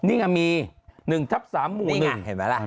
นี่ไงมี๑ทับ๓หมู่๑เห็นไหมล่ะ